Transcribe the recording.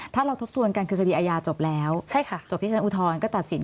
ถ้าเราทบทวนกันคือคดีอาญาจบแล้วใช่ค่ะจบที่ชั้นอุทธรณ์ก็ตัดสิน